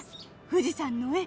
富士山の絵